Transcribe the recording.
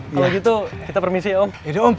kalo gitu kita permisi ya om